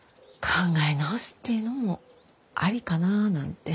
考え直すっていうのもありかなぁなんて。